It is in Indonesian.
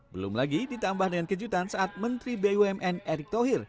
belum lagi ditambah dengan kejutan saat menteri bumn erick thohir